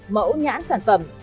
mẫu nhãn sản phẩm